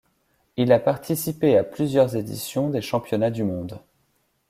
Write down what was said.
Il a participé à plusieurs éditions des championnats du monde.